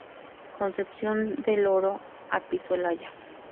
Concepción del Oro-Apizolaya.